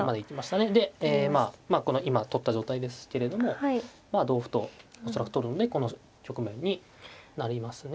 でまあこの今取った状態ですけれどもまあ同歩と恐らく取るのでこの局面になりますね。